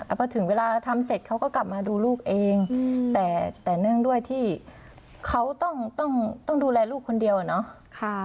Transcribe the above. พอถึงเวลาทำเสร็จเขาก็กลับมาดูลูกเองแต่เนื่องด้วยที่เขาต้องดูแลลูกคนเดียวอะเนาะ